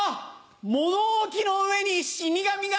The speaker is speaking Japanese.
物置の上に死神が！